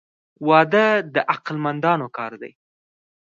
• واده د عقل مندانو کار دی.